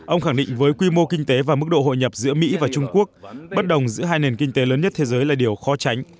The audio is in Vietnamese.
ông khẳng định với quy mô kinh tế và mức độ hội nhập giữa mỹ và trung quốc bất đồng giữa hai nền kinh tế lớn nhất thế giới là điều khó tránh